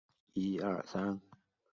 劳保局提醒